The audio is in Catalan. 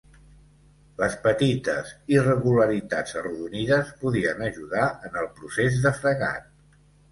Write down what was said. Les petites irregularitats arrodonides podien ajudar en el procés de fregat.